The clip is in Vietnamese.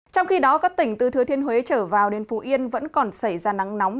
trong khi đó các tỉnh từ thừa thiên huế trở vào đến phú yên vẫn còn xảy ra nắng nóng